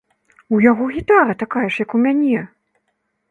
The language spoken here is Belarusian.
У яго гітара такая ж, як у мяне!